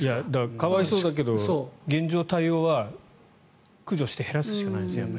可哀想だけど現状、対応は駆除して減らすしかないんですね。